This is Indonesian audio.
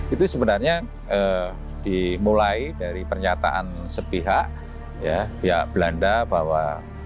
itu sebenarnya dimulai dari pernyataan sepihak pihak belanda bahwa